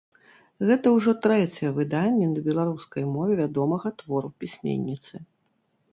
Гэта ўжо трэцяе выданне на беларускай мове вядомага твору пісьменніцы.